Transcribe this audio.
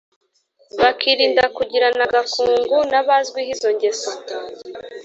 bakirinda kugirana agakungu n’abazwiho izongeso